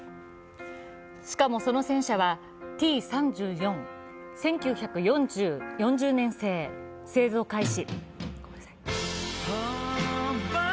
しかもその戦車はＴ−３４、１９４０年製造開始。